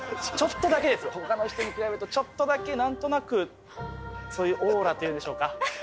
ちょっとだけですよほかの人に比べるとちょっとだけ何となくそういうオーラというんでしょうか。